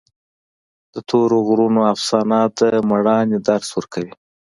د تورې غرونو افسانه د مېړانې درس ورکوي.